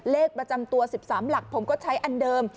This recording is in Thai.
เลขประจำตัว๑๓หลักผมก็ใช้อันเดิม